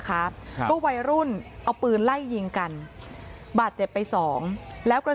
ครับก็วัยรุ่นเอาปืนไล่ยิงกันบาดเจ็บไปสองแล้วกระ